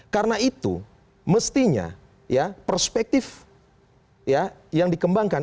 karena itu mestinya ya perspektif ya yang dikembangkan